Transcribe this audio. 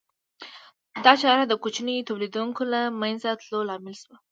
دا چاره د کوچنیو تولیدونکو د له منځه تلو لامل شوه